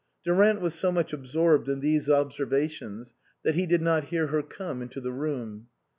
Durant was so much absorbed in these obser 74 INLAND vations that he did not hear her come into the room.